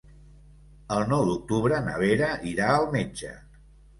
El nou d'octubre na Vera irà al metge.